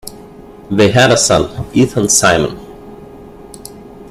They had a son, Ethan Simon.